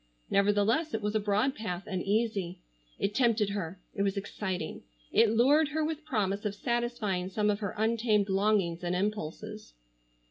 Nevertheless it was a broad path, and easy. It tempted her. It was exciting. It lured her with promise of satisfying some of her untamed longings and impulses.